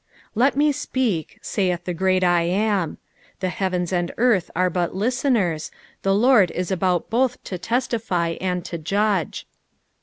" Let me speak," saith the great I AM. The heavens and earth are but listeners, the Lord is about both to testif; iind to judge.